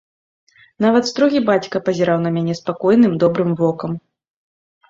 Нават строгі бацька пазіраў на мяне спакойным добрым вокам.